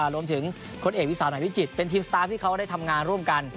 รวมถึงคนเอกวิสาหวิจิตเป็นทีมสตาร์ฟที่เขาได้ทำงานร่วมกัน